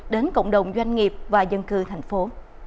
đến cộng đồng doanh nghiệp và dân cư thành phố